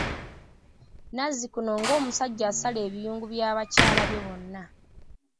Nazzikuno ng'omusajja asala ebiyungu bya bakyala be bonna.